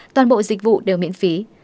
toàn bộ dịch vụ đều miễn phí